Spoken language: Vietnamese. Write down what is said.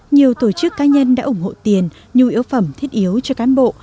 nhiều tổ chức cá nhân đã ủng hộ tiền nhu yếu phẩm thiết yếu cho cán bộ